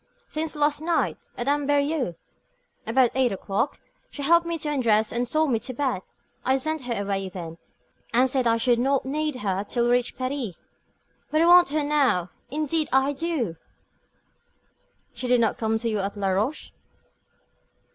"Since last night, at Amberieux, about eight o'clock. She helped me to undress, and saw me to bed. I sent her away then, and said I should not need her till we reached Paris. But I want her now, indeed I do." "She did not come to you at Laroche?"